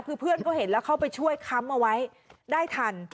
คือเพื่อนเขาเห็นแล้วเข้าไปช่วยค้ำเอาไว้ได้ทัน